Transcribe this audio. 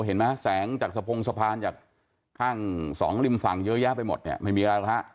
เห็นไหมแสงจากสะพงสะพานจากข้างสองริมฝั่งเยอะแยะไปหมดเนี่ยไม่มีอะไรหรอกฮะ